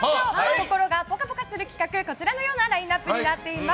心がぽかぽかする企画、こちらのラインアップになっています。